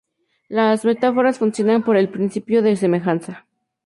Las metáforas funcionan por el principio de semejanza.